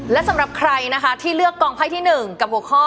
และสำหรับใครนะคะที่เลือกกองไพ่ที่๑กับหัวข้อ